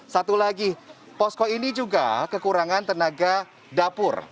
satu lagi posko ini juga kekurangan tenaga dapur